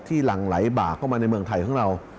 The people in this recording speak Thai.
หลั่งไหลบากเข้ามาในเมืองไทยของเรา